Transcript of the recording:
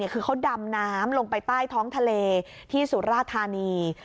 คือเขาดำน้ำลงไปใต้ท้องทะเลที่สุราธานี